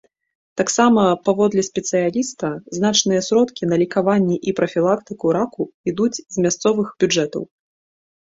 Таксама, паводле спецыяліста, значныя сродкі на лекаванне і прафілактыку раку ідуць з мясцовых бюджэтаў.